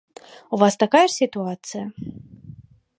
У вас такая ж сітуацыя?